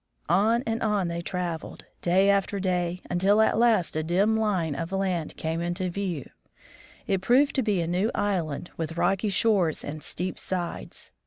On and on they traveled, day after day, until at last a dim line of land came into view ; it proved to be a new island, with rocky shores and steep sides.